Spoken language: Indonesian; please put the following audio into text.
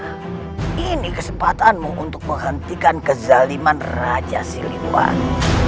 beri kesempatanmu untuk menghentikan kezaliman raja silimban